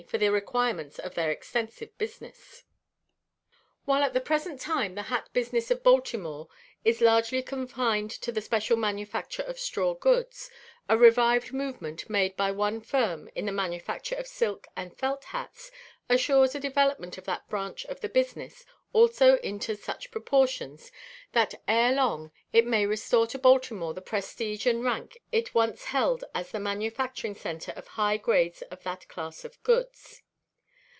for the requirements of their extensive business. [Illustration: PRESENT FACTORY OF BRIGHAM, HOPKINS & CO.] While at the present time the hat business of Baltimore is largely confined to the special manufacture of straw goods, a revived movement made by one firm in the manufacture of silk and felt hats assures a development of that branch of the business also into such proportions that ere long it may restore to Baltimore the prestige and rank it once held as the manufacturing centre of high grades of that class of goods.